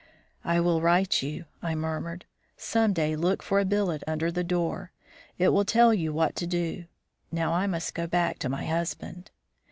"I will write you," I murmured. "Some day look for a billet under the door. It will tell you what to do; now I must go back to my husband."